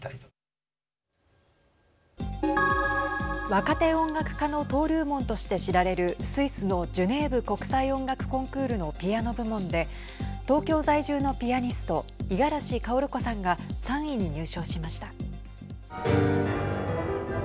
若手音楽家の登竜門として知られるスイスのジュネーブ国際音楽コンクールのピアノ部門で東京在住のピアニスト五十嵐薫子さんが３位に入賞しました。